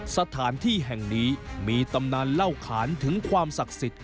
สถานที่แห่งนี้มีตำนานเล่าขานถึงความศักดิ์สิทธิ